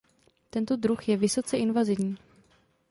Tento druh je vysoce invazní.